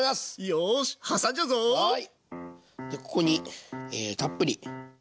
よしここにたっぷり。